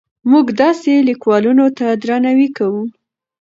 موږ داسې لیکوالانو ته درناوی کوو.